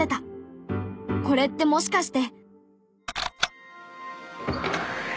これってもしかして。